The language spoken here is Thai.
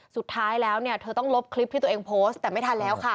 สุดท้ายแล้วเนี่ยเธอต้องลบคลิปที่ตัวเองโพสต์แต่ไม่ทันแล้วค่ะ